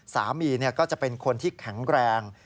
สามีก็จะเป็นคนที่แข็งแรง